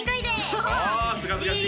おおすがすがしい